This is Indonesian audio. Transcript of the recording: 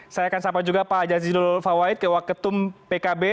saya akan sapa juga pak jazilul fawait ke waketum pkb